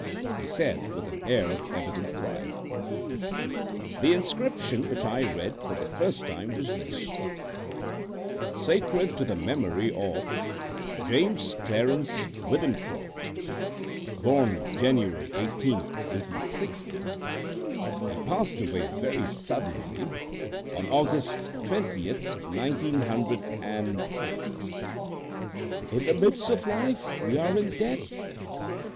he said, with an air of evident pride. The inscription which I read for the first time was this SACRED TO THE MEMORY OF JAMES CLARENCE WITHENCROFT. BORN JAN. 18TH, 1860. HE PASSED AWAY VERY SUDDENLY ON AUGUST 20TH, 190 "In the midst of life we are in death."